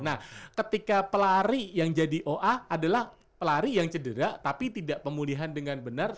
nah ketika pelari yang jadi oa adalah pelari yang cedera tapi tidak pemulihan dengan benar